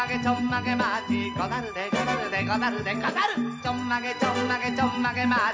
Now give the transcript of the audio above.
「ちょんまげちょんまげちょんまげマーチ」